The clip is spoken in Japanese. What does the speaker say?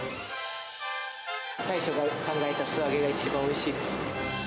大将が考えた素揚げが一番おいしいですね。